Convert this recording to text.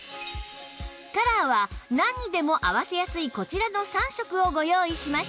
カラーは何にでも合わせやすいこちらの３色をご用意しました